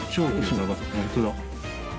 本当だ。